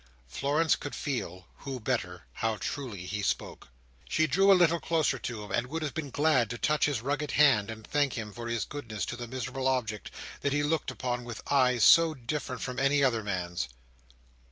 Florence could feel—who better?—how truly he spoke. She drew a little closer to him, and would have been glad to touch his rugged hand, and thank him for his goodness to the miserable object that he looked upon with eyes so different from any other man's.